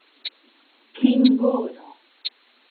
klingono